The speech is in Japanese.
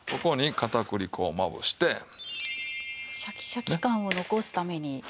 シャキシャキ感を残すためにですか？